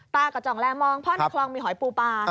กระจ่องแลมองเพราะในคลองมีหอยปูปลา